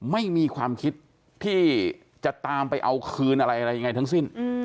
ไม่มีความคิดที่จะตามไปเอาคืนอะไรอะไรยังไงทั้งสิ้น